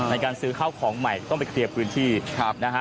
ในการซื้อข้าวของใหม่ต้องไปเคลียร์พื้นที่ครับนะฮะ